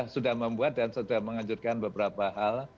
sudah membuat dan sudah menganjurkan beberapa hal